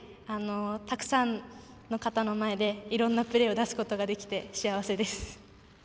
たくさんの方の前でいろんなプレーを出すことができて幸せです。